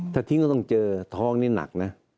ถ้าทิ้งก็ต้องเจอท้องนี่หนักนะ